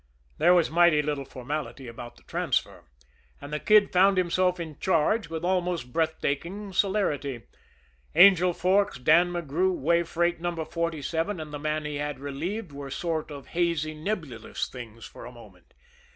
There was mighty little formality about the transfer, and the Kid found himself in charge with almost breathtaking celerity. Angel Forks, Dan McGrew, way freight No. 47, and the man he had relieved, were sort of hazy, nebulous things for a moment.